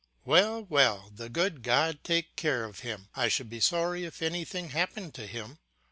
"Well, well; the good God take care of him. I should be sorry if anything happened to him."